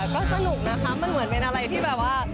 ก็สนุกนะคะมันเหมือนเป็นอะไรที่แบบว่า